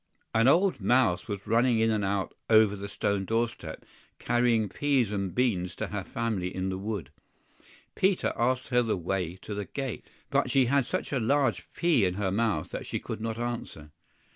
An old mouse was running in and out over the stone doorstep, carrying peas and beans to her family in the wood. Peter asked her the way to the gate, but she had such a large pea in her mouth that she could not answer.